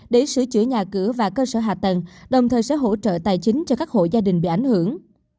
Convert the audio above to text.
để sửa chữa nhà cửa và cơ sở hạ tầng đồng thời sẽ hỗ trợ tài chính cho các hộ gia đình bị ảnh hưởng